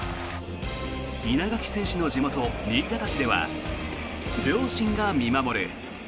稲垣選手の地元・新潟市では両親が見守る。